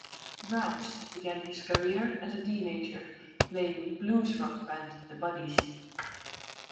Ralphs began his career as a teenager, playing with blues-rock band the Buddies.